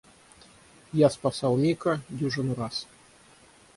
Я спасал Мика дюжину раз.